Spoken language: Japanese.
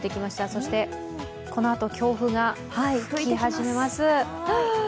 そして、このあと強風が吹き始めます。